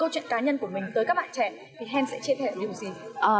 câu chuyện cá nhân của mình tới các bạn trẻ thì hèn sẽ chia sẻ